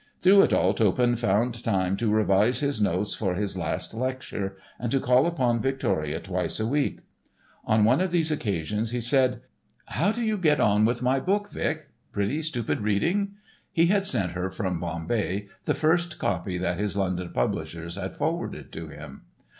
Through it all Toppan found time to revise his notes for his last lecture, and to call upon Victoria twice a week. On one of these occasions he said; "How do you get on with my book, Vic, pretty stupid reading?" He had sent her from Bombay the first copy that his London publishers had forwarded to him.